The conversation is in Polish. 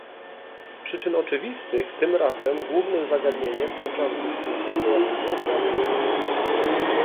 Z przyczyn oczywistych tym razem głównym zagadnieniem podczas dyskusji była sytuacja w Libii